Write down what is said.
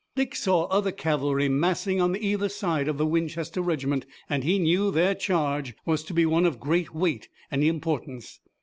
Dick saw other cavalry massing on either side of the Winchester regiment, and he knew their charge was to be one of great weight and importance.